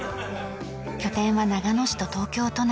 拠点は長野市と東京都内。